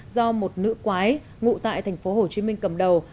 do một nữ quái ngụ tại tp hcm cầm đầu